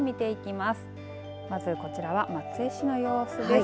まずこちらは松江市の様子です。